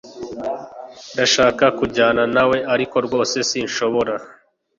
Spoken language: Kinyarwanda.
Ndashaka kujyana nawe ariko rwose sinshobora